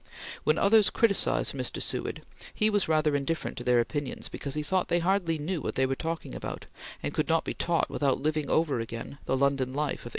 When others criticised Mr. Seward, he was rather indifferent to their opinions because he thought they hardly knew what they were talking about, and could not be taught without living over again the London life of 1862.